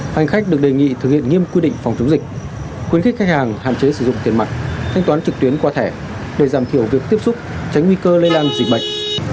hành khách được đề nghị thực hiện nghiêm quy định phòng chống dịch khuyến khích khách hàng hạn chế sử dụng tiền mặt thanh toán trực tuyến qua thẻ để giảm thiểu việc tiếp xúc tránh nguy cơ lây lan dịch bệnh